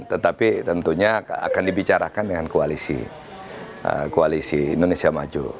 tetapi tentunya akan dibicarakan dengan koalisi indonesia maju